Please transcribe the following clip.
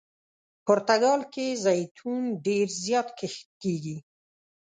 پرتګال کې زیتون ډېر زیات کښت کیږي.